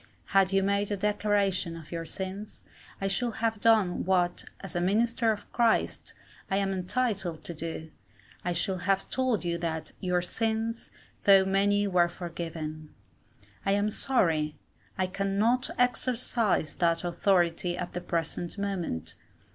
Had you made a declaration of your sins, I should have done what, as a minister of Christ, I am entitled to do I should have told you that "your sins though many were forgiven." I am sorry I cannot exercise that authority at the present moment.